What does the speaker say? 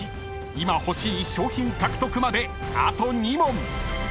今欲しい賞品獲得まであと２問！］